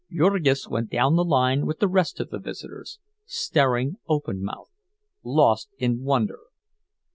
Jurgis went down the line with the rest of the visitors, staring open mouthed, lost in wonder.